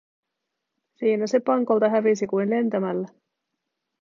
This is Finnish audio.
Siinä se pankolta hävisi kuin lentämällä.